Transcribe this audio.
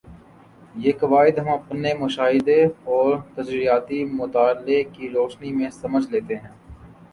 یہ قواعد ہم اپنے مشاہدے اور تجزیاتی مطالعے کی روشنی میں سمجھ لیتے ہیں